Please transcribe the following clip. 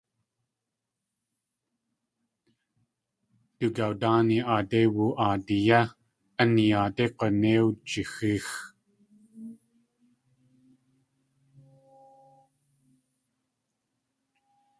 Du gawdáani aadé woo.aadi yé, a niyaadé g̲unéi wjixíx.